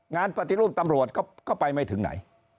งานปฏิรูปตำรวจก็ไปไม่ถึงไหน